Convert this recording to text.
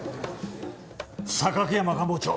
榊山官房長。